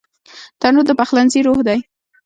تنور د پخلنځي روح دی